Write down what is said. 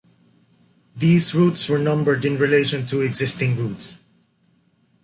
These routes were numbered in relation to existing routes.